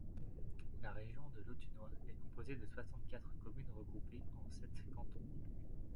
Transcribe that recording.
La région de l'Autunois est composée de soixante-quatre communes regroupées en sept cantons.